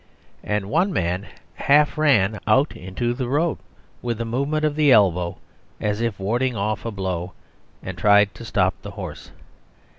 And one man half ran out into the road with a movement of the elbow as if warding off a blow, and tried to stop the horse.